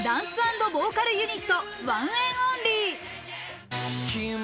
今回は、ダンス＆ボーカルユニット、ＯＮＥＮ’ＯＮＬＹ。